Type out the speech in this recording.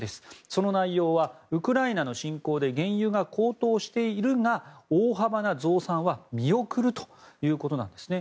その内容はウクライナの侵攻で原油が高騰しているが大幅な増産は見送るということなんですね。